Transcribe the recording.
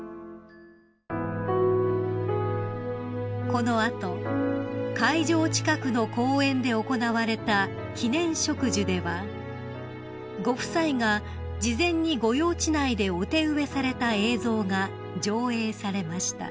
［この後会場近くの公園で行われた記念植樹ではご夫妻が事前に御用地内でお手植えされた映像が上映されました］